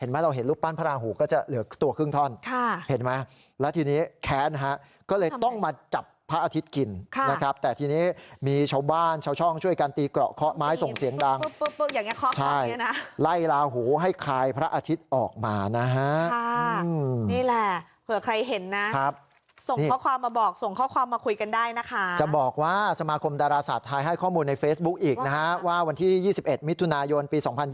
ถ้าเราเห็นรูปปั้นพระราหูก็จะเหลือตัวครึ่งท่อน